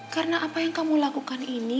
karena apa yang kamu lakukan ini